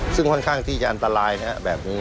ซึ่งค่อนข้างที่จะอันตรายนะครับแบบนี้